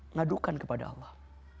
ngadukan kepada allah